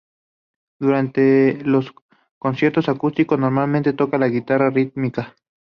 Durante los conciertos acústicos, normalmente toca la guitarra rítmica.